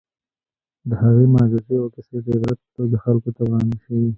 د هغه معجزې او کیسې د عبرت په توګه خلکو ته وړاندې شوي.